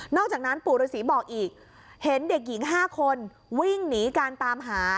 อกจากนั้นปู่ฤษีบอกอีกเห็นเด็กหญิง๕คนวิ่งหนีการตามหา